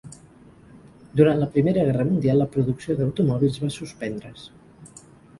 Durant la Primera Guerra Mundial la producció d'automòbils va suspendre's.